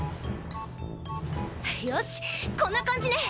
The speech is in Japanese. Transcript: よしこんな感じね。